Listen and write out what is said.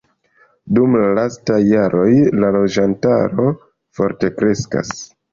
Dum la lastaj jaroj la loĝantaro forte kreskas.